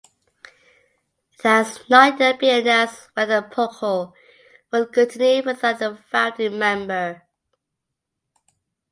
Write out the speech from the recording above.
It has not yet been announced whether Poco will continue without the founding member.